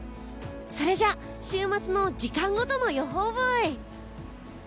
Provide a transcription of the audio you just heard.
それじゃあ週末の時間ごとの予報ブイ。